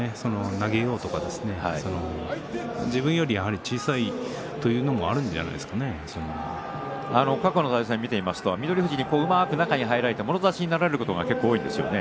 投げようとか自分よりやはり小さいというのも過去の対戦は見ると翠富士にうまく中に入られてもろ差しになられることが多いですね。